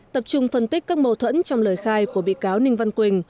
tập trung phân tích các mâu thuẫn trong lời khai của bị cáo ninh văn quỳnh